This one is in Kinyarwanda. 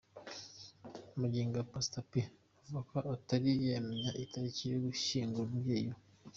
Magingo aya, Pastor P avuga ko atari yamenya itariki yo gushyingura umubyeyi we.